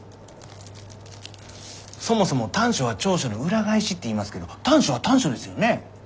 そもそも短所は長所の裏返しって言いますけど短所は短所ですよね？